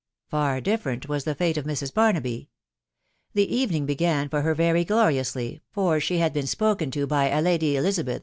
Far different was the fate of Mrs. Barnaby. The evening began for her very gloriously, for she had been spoken to by a Lady Elizabeth